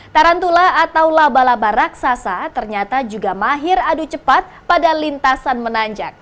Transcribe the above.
tarantula atau laba laba raksasa ternyata juga mahir adu cepat pada lintasan menanjak